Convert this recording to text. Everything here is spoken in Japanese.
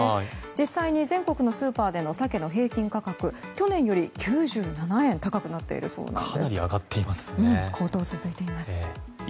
実際に全国のスーパーでのサケの平均価格去年より９７円高くなっているそうです。